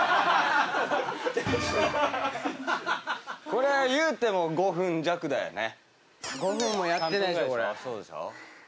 これは言うても５分弱だよね。